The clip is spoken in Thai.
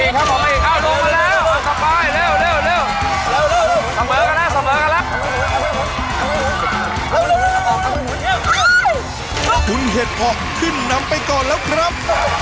คุณเห็ดออกขึ้นนำไปก่อนแล้วครับ